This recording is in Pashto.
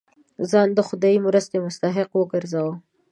ځان د خدايي مرستې مستحق وګرځوو.